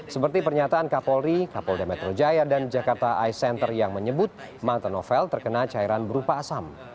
seperti pernyataan kapolri kapolda metro jaya dan jakarta eye center yang menyebut mata novel terkena cairan berupa asam